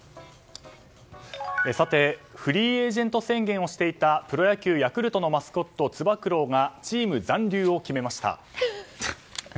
フリーエージェント宣言をしていたプロ野球ヤクルトのマスコットつば九郎がチーム残留を決めました。